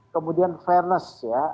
kemudian fairness ya